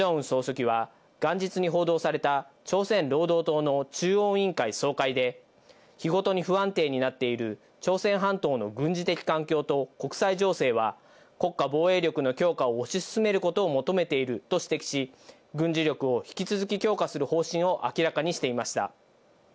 総書記は元日に報道された朝鮮労働党の中央委員会総会で日ごとに不安定になっている朝鮮半島の軍事的環境と国際情勢は、国家防衛力の強化を推し進めること求めていると指摘し、軍事力を引き続き強化する方針を明らかにしていました。